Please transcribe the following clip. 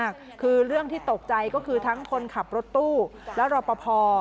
คือเรื่องที่ตกใจก็คือทั้งคนขับรถตู้และรอปภ